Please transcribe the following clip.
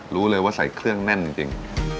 รู้เลยว่าใส่เครื่องแน่นจริง